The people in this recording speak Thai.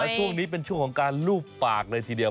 ช่วงนี้เป็นช่วงของการลูบปากเลยทีเดียว